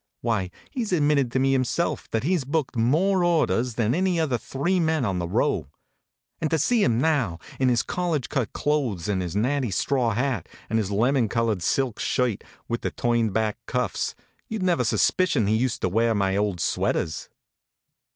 Why, he s admitted to me himself that he s booked more orders than any other three men on the Row. And to see him now, in his college cut clothes, and his natty straw hat, and his lemon colored silk shirt with the turned back cuffs, you d HONK, HONK! never suspicion he used to wear my old sweaters.